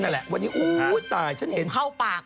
นั่นแหละวันนี้อุ๊ยตายฉันเห็นแล้วเข้าปาก